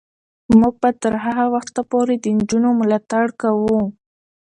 موږ به تر هغه وخته پورې د نجونو ملاتړ کوو.